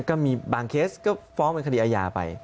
ก็มีบางเคสก็ฟ้องเป็นคดีอาญาไป